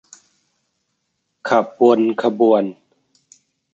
ขับวนขบวน